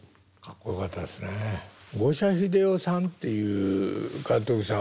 五社英雄さんっていう監督さん